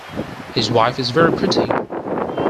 His wife is very pretty.